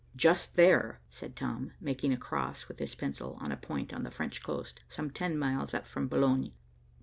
"Just there," said Tom, making a cross with his pencil on a point on the French coast some ten miles up from Boulogne.